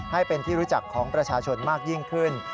ให้เป็นที่รู้จักของประชาชนมากยิ่งขึ้น